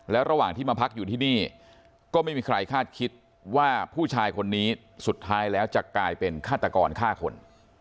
ระหว่างที่มาพักอยู่ที่นี่ก็ไม่มีใครคาดคิดว่าผู้ชายคนนี้สุดท้ายแล้วจะกลายเป็นฆาตกรฆ่าคน